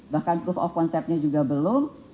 bahkan proof of concept nya juga belum